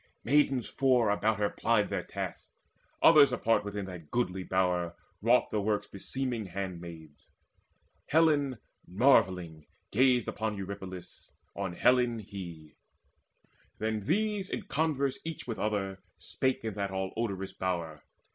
Maidens four About her plied their tasks: others apart Within that goodly bower wrought the works Beseeming handmaids. Helen marvelling gazed Upon Eurypylus, on Helen he. Then these in converse each with other spake In that all odorous bower.